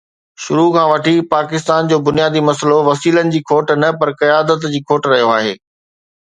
شروع کان وٺي پاڪستان جو بنيادي مسئلو وسيلن جي کوٽ نه پر قيادت جي کوٽ رهيو آهي.